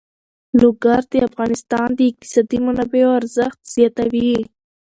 لوگر د افغانستان د اقتصادي منابعو ارزښت زیاتوي.